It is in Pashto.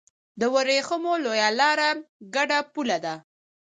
د ورېښمو لویه لار ګډه پوله ده.